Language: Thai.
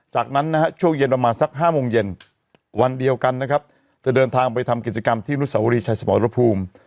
จากนั้นนะฮะช่วงเย็นประมาณสัก๕โมงเย็นวันเดียวกันนะครับจะเดินทางไปทำกิจกรรมที่อนุสาวรีชายสมรภูมิ